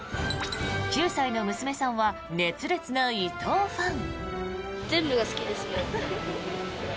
９歳の娘さんは熱烈な伊藤ファン。